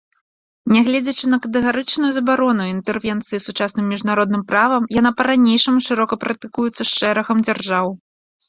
Нягледзячы на катэгарычную забарону інтэрвенцыі сучасным міжнародным правам, яна па-ранейшаму шырока практыкуецца шэрагам дзяржаў.